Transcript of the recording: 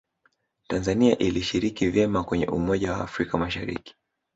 tanzania ilishiriki vema kwenye umoja wa afrika mashariki